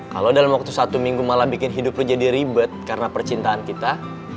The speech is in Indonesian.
kalau dalam waktu satu minggu malah bikin hidupku jadi ribet karena percintaan kita